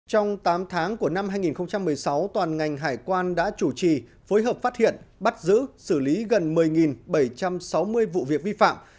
trong tám tháng của năm hai nghìn một mươi sáu toàn ngành hải quan đã chủ trì phối hợp phát hiện bắt giữ xử lý gần một mươi bảy trăm sáu mươi vụ việc vi phạm